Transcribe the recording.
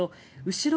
後ろ